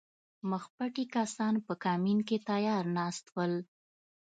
مخپټي کسان په کمین کې تیار ناست ول